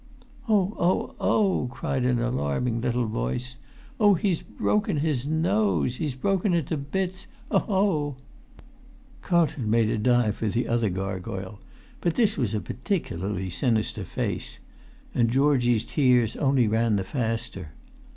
"Oh, oh, oh!" cried an alarming little voice, "Oh, he's broken his nose, he's broken it to bits; oh, oh!" Carlton made a dive for the other gargoyle; but this was a peculiarly sinister face; and Georgie's tears only ran the faster.